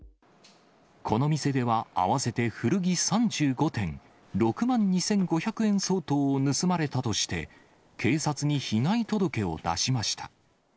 この店では、合わせて古着３５点、６万２５００円相当を盗まれたとして、警察に被害届を出しました。